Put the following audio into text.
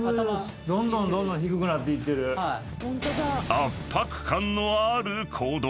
［圧迫感のある坑道］